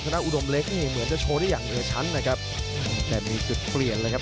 นาอุดมเล็กนี่เหมือนจะโชว์ได้อย่างเหนือชั้นนะครับแต่มีจุดเปลี่ยนเลยครับ